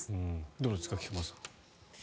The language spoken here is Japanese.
どうですか、菊間さん。